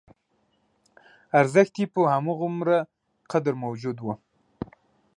ارزښت یې په همغومره قدر موجود و.